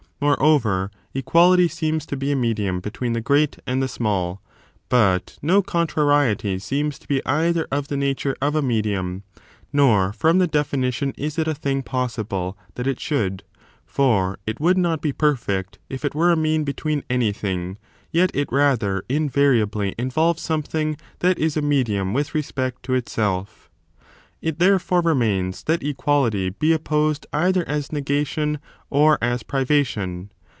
Moreover, equality seems to be a medium between the great and the small ; but no contrariety seems to be either of the nature of a medium, nor from the definition is it a thing possible that it should ; for it would not be perfect if it were a mean between anything : yet it rather invariably involves some thing that is a medium with respect to itself, o «««, *w«.. It therefore remains that equality be opposed 2. Something •.. xt x • i as regards this either as negation or as pnvation.